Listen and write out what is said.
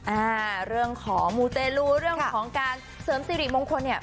อ่าเรื่องของมูเตลูเรื่องของการเสริมสิริมงคลเนี่ย